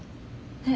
え？